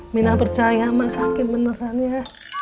minah percaya mak sakit beneran ya